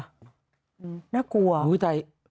น่ากลัวเหรอเจ้าครับนะคะน้องชัดพี่จ๋าโยซินี